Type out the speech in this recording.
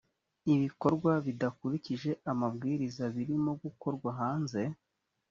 ibikorwa bidakurikije amabwiriza birimo gukorwa hanze